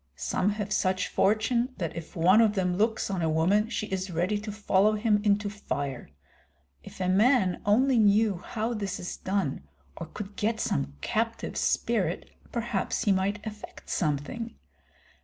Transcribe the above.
Some have such fortune that if one of them looks on a woman she is ready to follow him into fire. If a man only knew how this is done or could get some captive spirit, perhaps he might effect something.